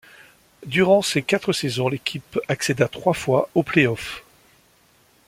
Durant ces quatre saisons, l'équipe accéda trois fois aux play-offs.